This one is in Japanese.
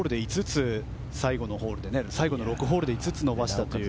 最後の６ホールで５つ伸ばしたという。